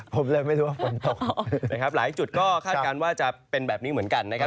ผมเลยไม่รู้ว่าฝนตกนะครับหลายจุดก็คาดการณ์ว่าจะเป็นแบบนี้เหมือนกันนะครับ